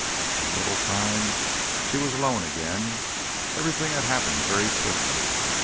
In a little time she was alone again. Everything had happened very swiftly.